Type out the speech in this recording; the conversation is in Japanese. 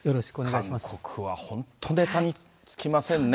韓国は本当、ネタに尽きませんね。